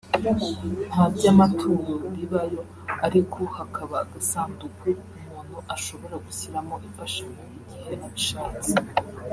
nta by’amaturo bibayo ariko hakaba agasanduku umuntu ashobora gushyiramo imfashanyo igihe abishatse